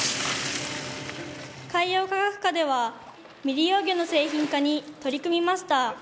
海洋科学科では未利用魚の製品化に取り組みました。